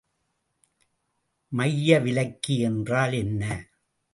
மையவிலக்கி என்றால் என்ன?